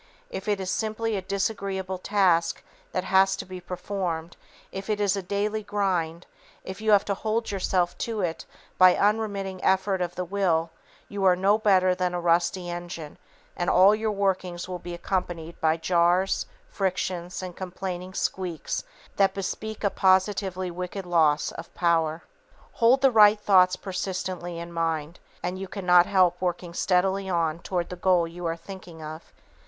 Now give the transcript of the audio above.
If it is simply a disagreeable task that has to be performed, if it is a "daily grind," if you have to hold yourself to it by unremitting effort of the will, you are no better than a rusty engine, and all your workings will be accompanied by jars, frictions, and complaining squeaks that bespeak a positively wicked loss of power. Hold the right thoughts persistently in mind, and you cannot help working steadily on toward the goal you are thinking of.